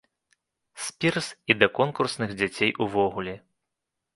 Спірз і да конкурсных дзяцей увогуле.